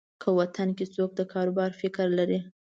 که وطن کې څوک د کاروبار فکر لري.